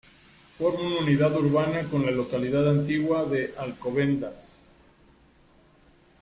Forma una unidad urbana con la localidad contigua de Alcobendas.